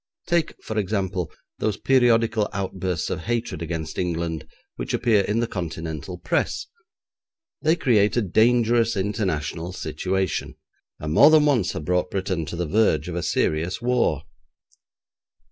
Take, for example, those periodical outbursts of hatred against England which appear in the Continental Press. They create a dangerous international situation, and more than once have brought Britain to the verge of a serious war.